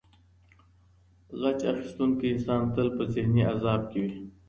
غچ اخیستونکی انسان تل په ذهني عذاب کي وي.